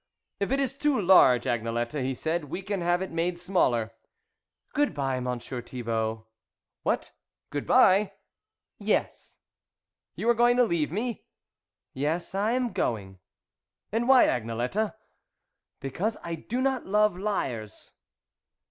" If it is too large, Agnelette," he said, 11 we can have it made smaller." " Good bye, Monsieur Thibault." " What ! Good bye ?"" Yes." " You are going to leave me." " Yes, I am going." " And why, Agnelette." " Because I do not love liars."